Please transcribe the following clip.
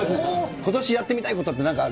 ことしやってみたいことって、なんかある？